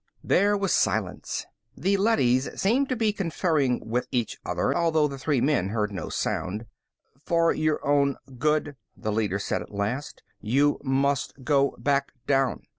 There was silence. The leadys seemed to be conferring with each other, although the three men heard no sound. "For your own good," the leader said at last, "you must go back down.